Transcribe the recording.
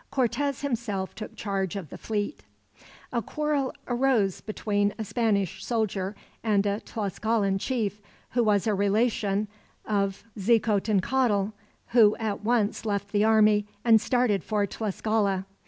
Cortez himself took charge of the fleet. A quarrel arose between a Spanish soldier and a Tlascalan chief, who was a relation of Xicotencatl; who at once left the army, and started for Tlascala.